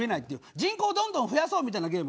人口をどんどん増やそうみたいなゲーム